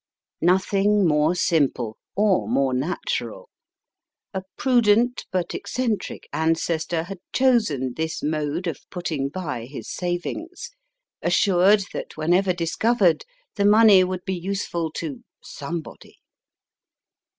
Nothing more simple or more natural. A pru dent but eccentric ancestor had chosen this mode of putting by his savings, assured that, whenever discovered, the money would be useful to somebody.